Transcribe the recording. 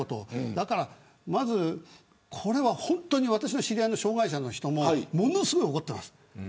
だからまず、これは本当に私の知り合いの障がい者の方もものすごい怒ってます。